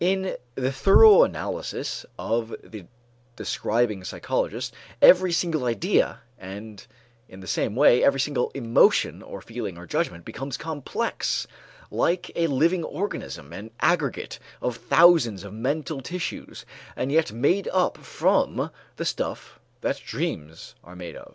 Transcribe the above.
In the thorough analysis of the describing psychologist, every single idea, and in the same way, every single emotion or feeling or judgment becomes complex like a living organism, an aggregate of thousands of mental tissues, and yet made up from "the stuff that dreams are made of."